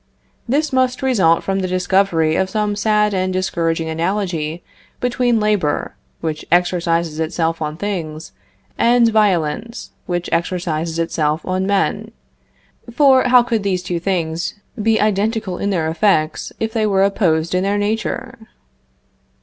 This must result from the discovery of some sad and discouraging analogy between labor, which exercises itself on things, and violence, which exercises itself on men; for how could these two things be identical in their effects, if they were opposed in their nature?